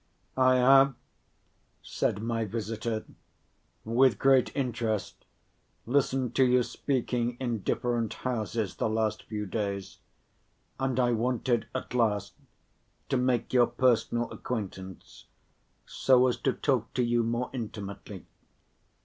"I have," said my visitor, "with great interest listened to you speaking in different houses the last few days and I wanted at last to make your personal acquaintance, so as to talk to you more intimately.